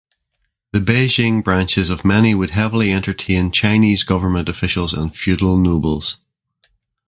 The Beijing branches of many would heavily entertain Chinese government officials and feudal nobles.